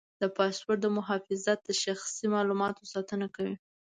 د پاسورډ محافظت د شخصي معلوماتو ساتنه کوي.